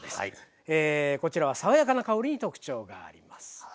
こちらは爽やかな香りに特徴があります。